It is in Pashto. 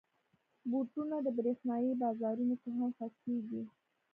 بوټونه د برېښنايي بازارونو کې هم خرڅېږي.